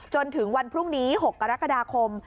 จนถึงวันพรุ่งนี้๖กรกฎาคม